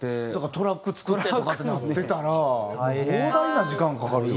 トラック作ってとかってなってたら膨大な時間かかるよ。